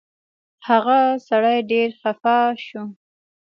هغه سړی ډېر خفه شو.